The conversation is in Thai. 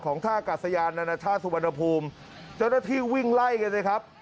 ของท่ากัดสยานณชาติสุวรรณภูมิเจ้าหน้าที่วิ่งไล่กันเลยครับ